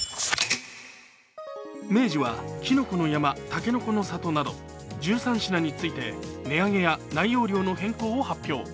明治はきのこの山、たけのこの里など１３品について値上げや内容量の変更を発表。